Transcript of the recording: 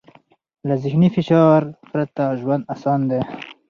له ذهني فشار پرته ژوند اسان دی.